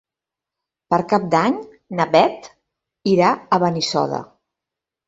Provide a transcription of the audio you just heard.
Per Cap d'Any na Beth irà a Benissoda.